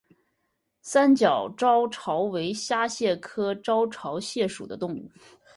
三角招潮为沙蟹科招潮蟹属的动物。